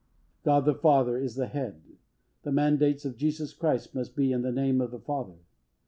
God the Father is the Head. The mandates of Jesus Christ must be in the name of the Father.